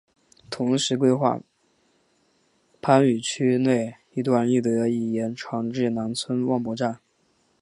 同时规划番禺区内一段亦得以延长至南村万博站。